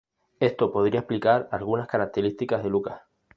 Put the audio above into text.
Esto podría explicar algunas características de Lucas.